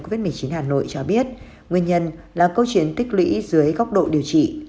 covid một mươi chín hà nội cho biết nguyên nhân là câu chuyện tích lũy dưới góc độ điều trị